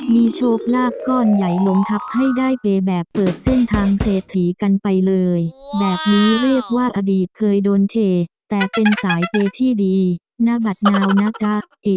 มีโชคลาภก้อนใหญ่ลงทับให้ได้เปย์แบบเปิดเส้นทางเศรษฐีกันไปเลยแบบนี้เรียกว่าอดีตเคยโดนเทแต่เป็นสายเปย์ที่ดีหน้าบัตรนาวนะจ๊ะ